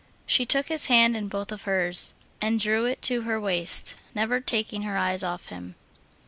She took his hand in both of hers, and drew it to her waist, never taking her eyes off him.